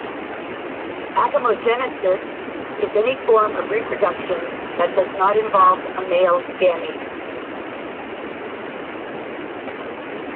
Agamogenesis is any form of reproduction that does not involve a male gamete.